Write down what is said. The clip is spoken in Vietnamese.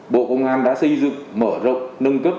bộ công an đã xây dựng mở rộng nâng cấp